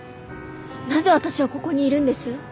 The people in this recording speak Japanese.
なぜ私はここにいるんです？